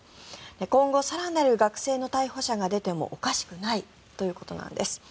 今後更なる学生の逮捕者が出てもおかしくないということなんです。